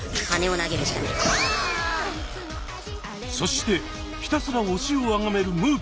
そしてひたすら推しをあがめるむー